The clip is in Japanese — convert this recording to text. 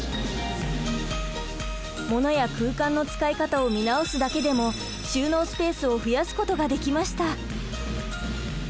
物や空間の使い方を見直すだけでも収納スペースを増やすことができました！